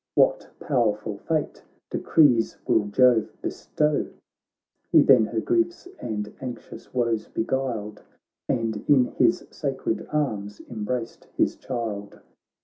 What powerful fate decrees will Jove bestow !' He then her griefs and anxious woes beguiled, And in his sacred arms embraced his child.